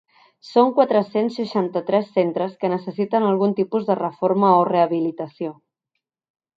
Són quatre-cents seixanta-tres centres que necessiten algun tipus de reforma o rehabilitació.